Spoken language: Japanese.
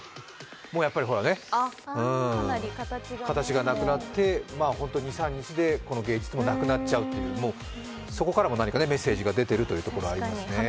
もう、かなり形がなくなって、本当２３日でこの芸術もなくなっちゃうっていうそこからも何かメッセージが出てるというところもありますね。